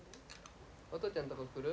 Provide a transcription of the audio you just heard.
お父ちゃんとこ来る？